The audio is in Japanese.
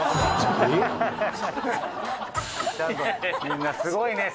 「みんなすごいね。